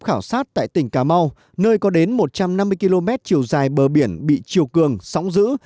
khảo sát tại tỉnh cà mau nơi có đến một trăm năm mươi km chiều dài bờ biển bị triều cường sóng giữ